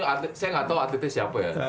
ini saya gak tau atletnya siapa ya